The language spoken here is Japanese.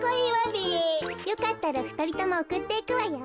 よかったらふたりともおくっていくわよ。